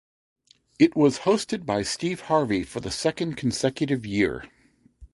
It was hosted by Steve Harvey for the second consecutive year.